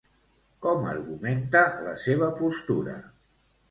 Com argumenta la seva postura?